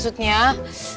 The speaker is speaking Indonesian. ya udah si hai